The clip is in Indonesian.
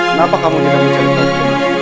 kenapa kamu tidak mencari lagi